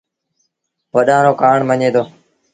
وڏآݩ رو ڪهآڻ مڃي دو